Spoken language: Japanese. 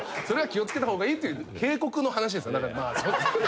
それは気を付けた方がいいという警告の話です。